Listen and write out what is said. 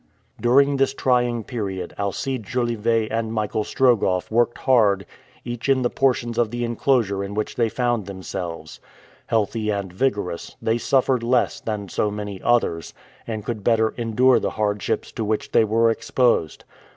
During this trying period Alcide Jolivet and Michael Strogoff worked hard, each in the portions of the enclosure in which they found themselves. Healthy and vigorous, they suffered less than so many others, and could better endure the hardships to which they were exposed.